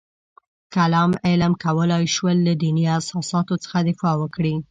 کلام علم کولای شول له دیني اساساتو څخه دفاع وکړي.